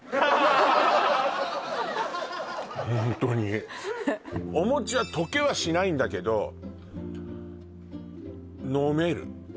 ホントにお餅は溶けはしないんだけど飲める